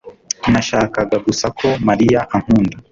Nashakaga gusa ko Mariya ankunda